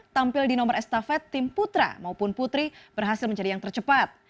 tampil di nomor estafet tim putra maupun putri berhasil menjadi yang tercepat